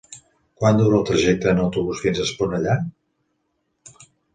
Quant dura el trajecte en autobús fins a Esponellà?